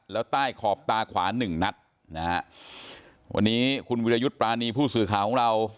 แล้วใต้ขอบตาขวาหนึ่งนัดนะฮะวันนี้คุณวิรยุทธ์ปรานีผู้สื่อข่าวของเรา